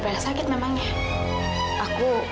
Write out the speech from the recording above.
siapa yang sakit memang ya